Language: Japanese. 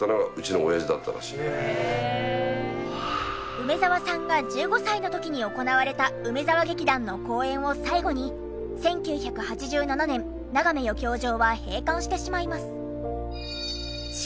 梅沢さんが１５歳の時に行われた梅沢劇団の公演を最後に１９８７年ながめ余興場は閉館してしまいます。